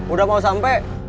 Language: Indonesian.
udah mau sampai